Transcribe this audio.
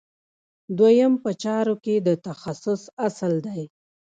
دریم په چارو کې د تخصص اصل دی.